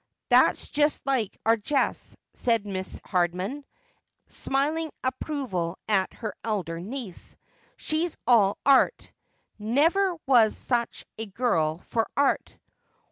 ' That's just like our Jess,' said Mrs. Hardman, smiling approval at her elder niece, ' she's all 'art. Xever was such a girl for 'art.'